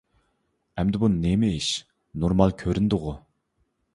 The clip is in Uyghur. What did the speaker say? ئەمدى بۇ نېمە ئىش نورمال كۆرۈندىغۇ!